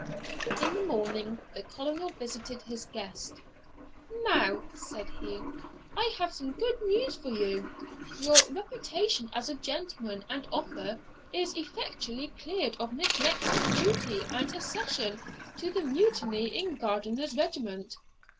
In the morning the Colonel visited his guest. 'Now,' said he, 'I have some good news for you. Your reputation as a gentleman and officer is effectually cleared of neglect of duty and accession to the mutiny in Gardiner's regiment.